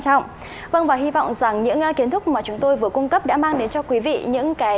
trọng vâng và hy vọng rằng những kiến thức mà chúng tôi vừa cung cấp đã mang đến cho quý vị những cái